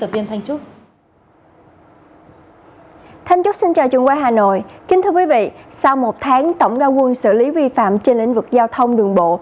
kính thưa quý vị sau một tháng tổng giao quân xử lý vi phạm trên lĩnh vực giao thông đường bộ